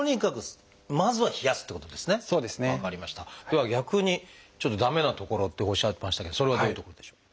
では逆にちょっと駄目なところっておっしゃいましたけどそれはどういうところでしょう？